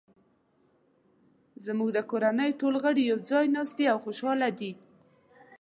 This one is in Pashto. زموږ د کورنۍ ټول غړي یو ځای ناست او خوشحاله دي